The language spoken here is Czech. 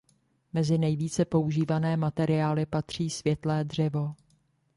Mezi nejvíce používané materiály patří světlé dřevo.